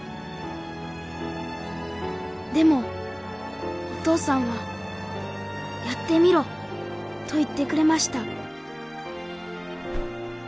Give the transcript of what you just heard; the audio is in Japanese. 「でもお父さんは『やってみろ』と言ってくれました」